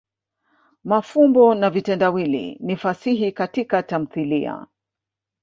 mafumbo na vitendawili ni fasihi Katika tamthilia.